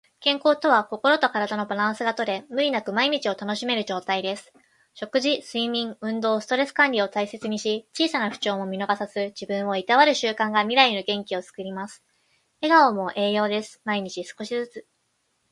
健康とは、心と体のバランスがとれ、無理なく毎日を楽しめる状態です。食事、睡眠、運動、ストレス管理を大切にし、小さな不調も見逃さず、自分をいたわる習慣が未来の元気をつくります。笑顔も栄養です。毎日少しずつ。